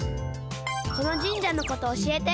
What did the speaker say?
この神社のことおしえて。